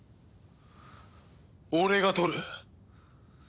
俺が取る！